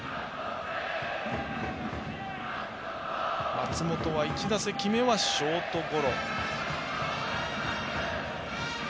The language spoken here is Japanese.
松本は１打席目はショートゴロ。